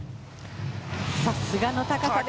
さすがの高さです。